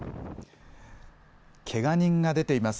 けが人が出ています。